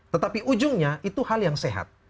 tetapi ujungnya itu hal yang sehat